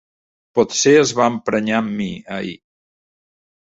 Potser es va emprenyar amb mi, ahir.